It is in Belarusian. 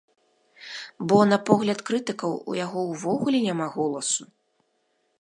Бо на погляд крытыкаў, у яго ўвогуле няма голасу!